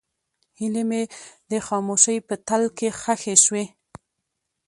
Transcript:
هیلې مې د خاموشۍ په تل کې ښخې شوې.